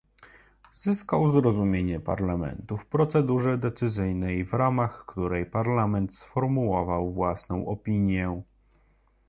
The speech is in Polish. Zyskał zrozumienie Parlamentu w procedurze decyzyjnej, w ramach której Parlament sformułował własną opinię